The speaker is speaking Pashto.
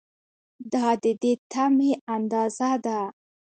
دا د دې تمې اندازه ده.